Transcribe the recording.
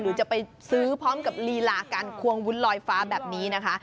หรือจะไปซื้อพร้อมกับลีลาการควงวุ้นลอยฟ้าแบบนี้นะคะ